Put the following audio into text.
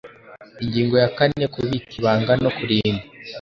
Ingingo ya kane Kubika ibanga no kurinda